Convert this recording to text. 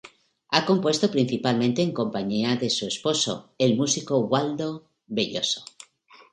Ha compuesto principalmente en compañía de su esposo, el músico Waldo Belloso.